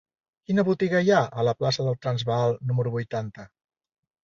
Quina botiga hi ha a la plaça del Transvaal número vuitanta?